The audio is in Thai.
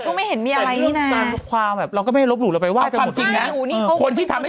ก็ไม่เห็นมีอะไรนี่นะความแบบเราก็ไม่ได้ลบหลูเราไปว่าความจริงนะคนที่ทำให้